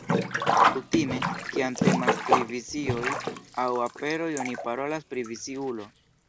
Kutime, kiam temas pri vizioj aŭ aperoj oni parolas pri"viziulo".